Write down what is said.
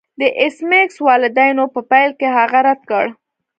د ایس میکس والدینو په پیل کې هغه رد کړ